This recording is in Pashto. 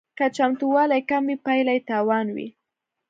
که چمتووالی کم وي پایله یې تاوان وي